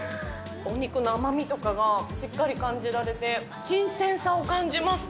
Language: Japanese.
お肉の甘みとかがしっかり感じられて、新鮮さを感じます。